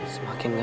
semakin gak bisa